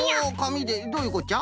どういうこっちゃ？